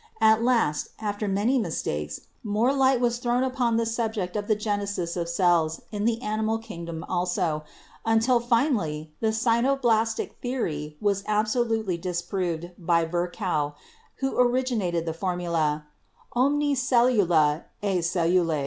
At last, after many mistakes, more light was thrown upon the subject of the genesis of cells in the animal kingdom also, until finally the cytoblastic theory was absolutely disproved by Vir chow, who originated the formula, "Omnis cellula e cellula."